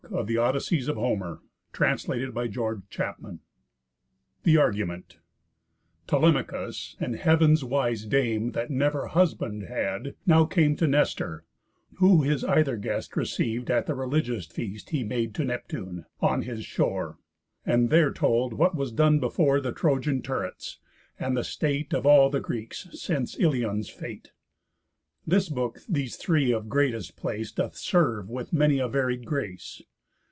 _ THE THIRD BOOK OF HOMER'S ODYSSEYS THE ARGUMENT Telemachus, and Heav'n's wise Dame That never husband had, now came To Nestor; who his either guest Receiv'd at the religious feast He made to Neptune, on his shore; And there told what was done before The Trojan turrets, and the state Of all the Greeks since Ilion's fate. This book these three of greatest place Doth serve with many a varied grace.